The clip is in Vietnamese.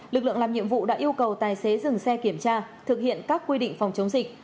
lực lượng làm nhiệm vụ đã yêu cầu tài xế dừng xe kiểm tra thực hiện các quy định phòng chống dịch